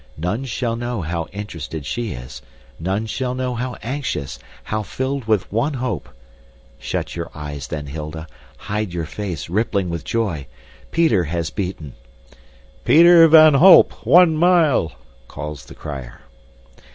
None shall know how interested she is, none shall know how anxious, how filled with one hope. Shut your eyes then, Hilda hide our face rippling with joy. Peter has beaten. "Peter van Holp, one mile!" calls the crier.